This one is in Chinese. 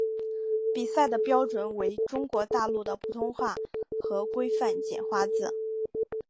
比赛的标准为中国大陆的普通话和规范简化字。